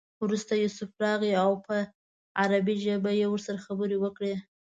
وروسته یوسف راغی او په عبري ژبه یې ورسره خبرې وکړې.